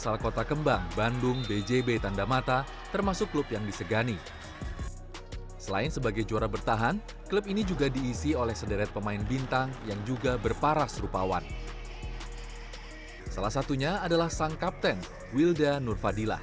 aku itu enggak tahu y prosper